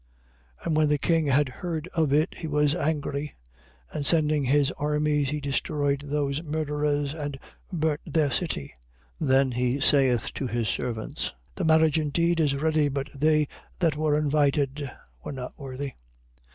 22:7. But when the king had heard of it, he was angry: and sending his armies, he destroyed those murderers and burnt their city. 22:8. Then he saith to his servants: The marriage indeed is ready; but they that were invited were not worthy.